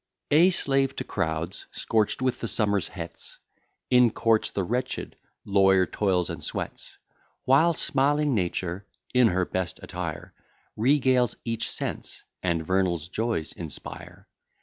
"A SLAVE to crowds, scorch'd with the summer's heats, In courts the wretched lawyer toils and sweats; While smiling Nature, in her best attire, Regales each sense, and vernal joys inspire.